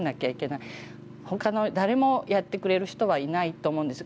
他の誰もやってくれる人はいないと思うんです。